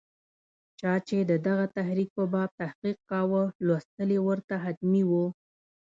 چا چې د دغه تحریک په باب تحقیق کاوه، لوستل یې ورته حتمي وو.